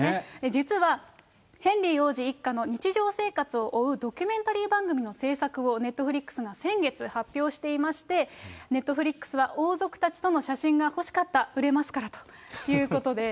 実はヘンリー王子一家の日常生活を追うドキュメンタリー番組の制作をネットフリックスが先月発表していまして、ネットフリックスは王族たちとの写真が欲しかった、売れますからということで。